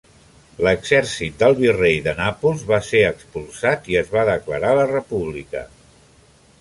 L'exèrcit del virrei de Nàpols va ser expulsat i es va declarar la República.